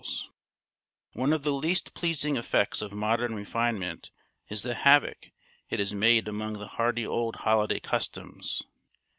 One of the least pleasing effects of modern refinement is the havoc it has made among the hearty old holiday customs.